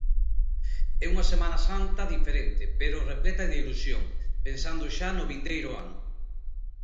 É unha Semana Santa diferente pero repleta de ilusión, pensando xa no vindeiro ano.